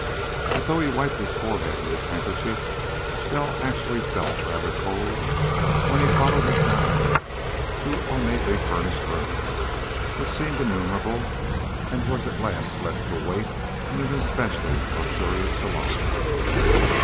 But though he wiped his forehead with his handkerchief, Bell actually felt rather cold when he followed his guide through ornately furnished rooms, which seemed innumerable, and was at last left to wait in an especially luxurious salon.